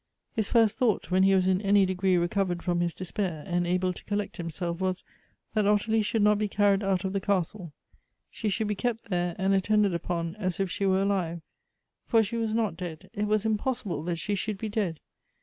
His first thought, when he was in any degree recovered from his despair, and able to collect himself, was, that Ottilie should not be carried out of the castle ; she should be kept there, and attended upon as if she were alive : for she was not dead ; it was impossible that she should be dead.